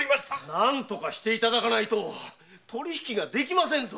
何とかしていただかぬと取り引きができませんぞ！